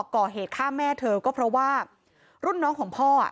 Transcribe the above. ก่อเหตุฆ่าแม่เธอก็เพราะว่ารุ่นน้องของพ่อ